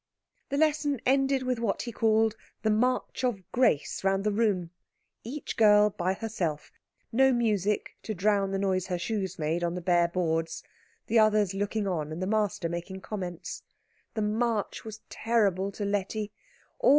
The lesson ended with what he called the March of Grace round the room, each girl by herself, no music to drown the noise her shoes made on the bare boards, the others looking on, and the master making comments. This march was terrible to Letty.